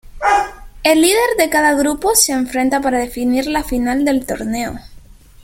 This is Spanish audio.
El líder de cada grupo se enfrenta para definir la final del torneo.